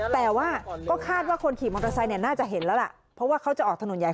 แต่ว่าก็คาดว่าคนขี่มอเตอร์ไซค์เนี่ยน่าจะเห็นแล้วล่ะเพราะว่าเขาจะออกถนนใหญ่